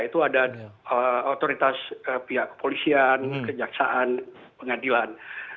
itu ada otoritas pihak kepolisian kejaksaan pengadilan